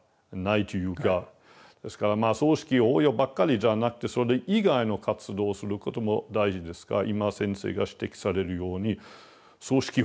ですから葬式法要ばっかりじゃなくてそれ以外の活動をすることも大事ですが今先生が指摘されるように葬式法要も大事ですね。